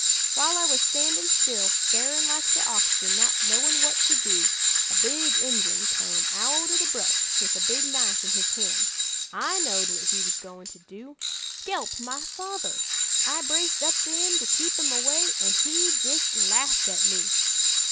"While I was standin' still, starin' like the oxen, not knowin' what to do, a big Injun come out o' the brush, with a big knife in his hand. I knowed what he was goin' to do skelp my father! I braced up to 'im to keep 'im away, an' he jist laffed at me.